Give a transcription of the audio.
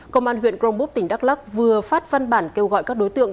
công an huyện crongbuk tỉnh đắk lắc vừa phát văn bản kêu gọi các đối tượng